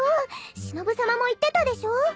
しのぶさまも言ってたでしょう。